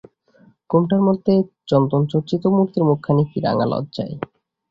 ঘোমটার মধ্যে চন্দনচর্চিত মতির মুখখানি কী রাঙা লজ্জায়!